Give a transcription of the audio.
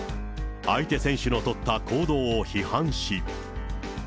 相手選手の取った行動を批判し。